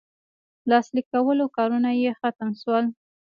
لاسلیک کولو کارونه یې ختم سول.